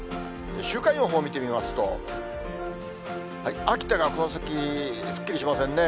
週間予報を見てみますと、秋田がこの先、すっきりしませんね。